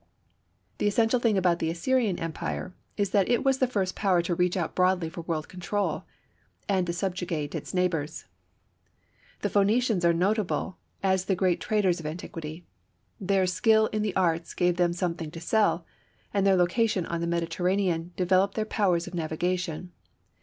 The essential thing about the Assyrian Empire is that it was the first power to reach out broadly for world control and to subjugate its neighbors. The Phœnicians are notable as the great traders of antiquity. Their skill in the arts gave them something to sell, and their location on the Mediterranean developed their powers of navigation.